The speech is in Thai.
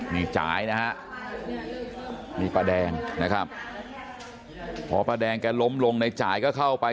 นี่จ่ายนะฮะนี่ป้าแดงนะครับพอป้าแดงแกล้มลงในจ่ายก็เข้าไป